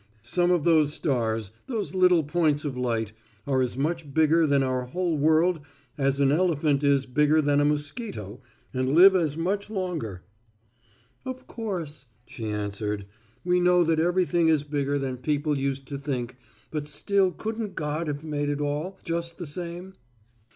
Some of those stars, those little points of light, are as much bigger than our whole world as an elephant is bigger than a mosquito, and live as much longer." "Of course," she answered, "we know that everything is bigger than people used to think, but still couldn't God have made it all, just the same?"